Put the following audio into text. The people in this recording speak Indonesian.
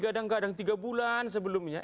kadang kadang tiga bulan sebelumnya